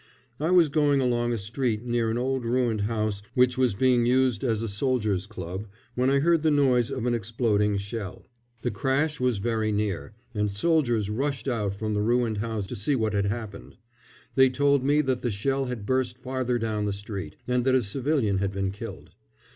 I was going along a street near an old ruined house which was being used as a soldiers' club, when I heard the noise of an exploding shell. The crash was very near, and soldiers rushed out from the ruined house to see what had happened. They told me that the shell had burst farther down the street, and that a civilian had been killed.